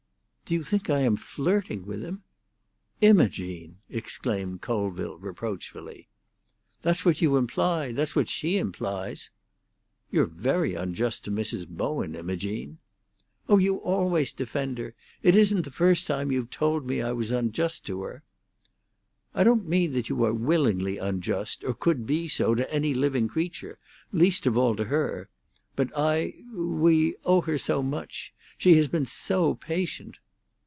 "Do you think that I am flirting with him?" "Imogene!" exclaimed Colville reproachfully. "That's what you imply; that's what she implies." "You're very unjust to Mrs. Bowen, Imogene." "Oh, you always defend her! It isn't the first time you've told me I was unjust to her." "I don't mean that you are willingly unjust, or could be so, to any living creature, least of all to her. But I—we—owe her so much; she has been so patient."